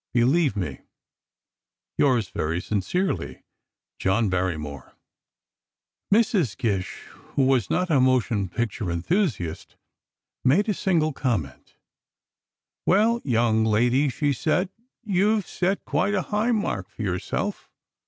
Believe me, Yours very sincerely, JOHN BARRYMORE Mrs. Gish, who was not a motion picture enthusiast, made a single comment: "Well, young lady," she said, "you've set quite a high mark for yourself.